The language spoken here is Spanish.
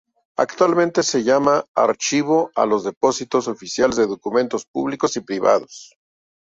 Actualmente se llama archivo a los depósitos oficiales de documentos públicos y privados.